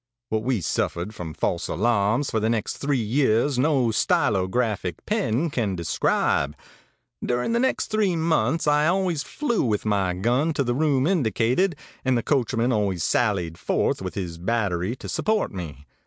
ãWhat we suffered from false alarms for the next three years no stylographic pen can describe. During the next three months I always flew with my gun to the room indicated, and the coachman always sallied forth with his battery to support me.